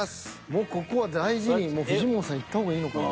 もうここは大事に藤本さんいった方がいいのかな。